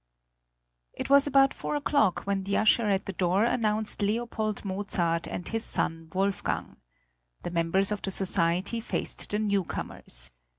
It was about four o'clock when the usher at the door announced Leopold Mozart and his son Wolfgang. The members of the society faced the newcomers.